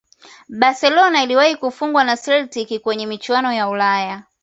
barcelona iliwahi kufungwa na celtic kwenye michuano ya ulaya